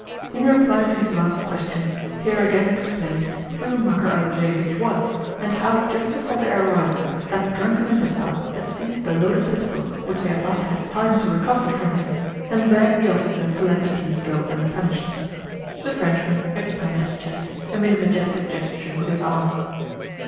In reply to his last question Pierre again explained who Makár Alexéevich was and how just before their arrival that drunken imbecile had seized the loaded pistol which they had not had time to recover from him, and begged the officer to let the deed go unpunished. The Frenchman expanded his chest and made a majestic gesture with his arm.